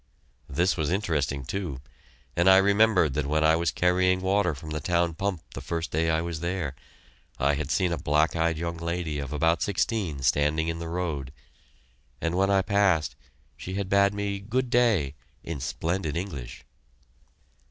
This was interesting, too, and I remembered that when I was carrying water from the town pump the first day I was there, I had seen a black eyed young lady of about sixteen standing in the road, and when I passed she had bade me "Good day" in splendid English.